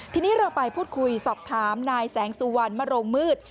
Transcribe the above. ทีนี้เราไปพูดคุยสอบถามนายแสงสุวรรณมโรงมืด